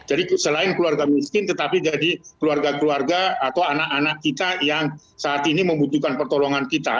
jadi selain keluarga miskin tetapi jadi keluarga keluarga atau anak anak kita yang saat ini membutuhkan pertolongan kita